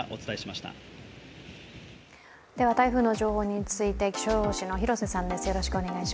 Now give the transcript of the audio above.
台風の情報について気象予報士の広瀬さんです。